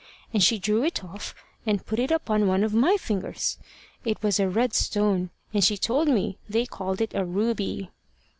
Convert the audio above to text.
And she drew it off, and put it upon one of my fingers. It was a red stone, and she told me they called it a ruby."